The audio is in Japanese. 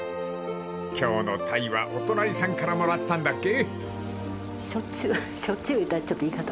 ［今日のタイはお隣さんからもらったんだっけ？］